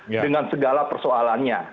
jadi itu adalah segala persoalannya